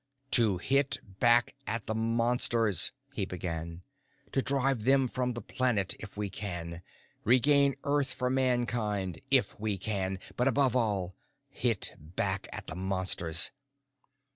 "To hit back at the Monsters," he began. "_To drive them from the planet, if we can. Regain Earth for Mankind, if we can. But, above all, hit back at the Monsters....